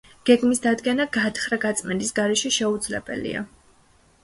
გეგმის დადგენა გათხრა-გაწმენდის გარეშე შეუძლებელია.